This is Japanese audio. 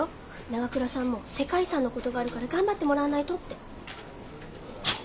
長倉さんも世界遺産のことがあるから頑張ってもらわないとって。